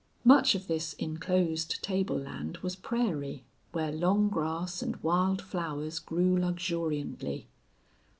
Much of this inclosed table land was prairie, where long grass and wild flowers grew luxuriantly.